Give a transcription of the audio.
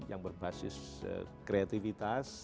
yang berbasis kreativitas